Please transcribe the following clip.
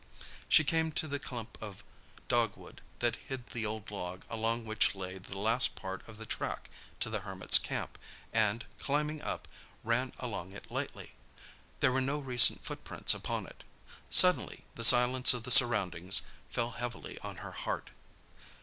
She came to the clump of dogwood that hid the old log along which lay the last part of the track to the Hermit's camp and, climbing up, ran along it lightly. There were no recent footprints upon it. Suddenly the silence of the surroundings fell heavily on her heart.